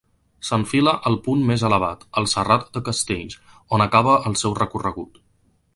S'enfila al punt més elevat, el Serrat de Castells, on acaba el seu recorregut.